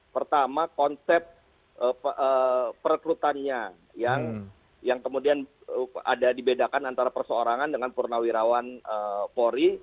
pertama konsep perekrutannya yang kemudian ada dibedakan antara perseorangan dengan purnawirawan polri